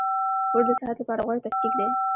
سپورټ د صحت له پاره غوره تفکیک دئ.